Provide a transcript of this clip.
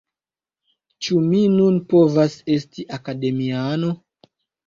Ĉu mi nun povas esti Akademiano?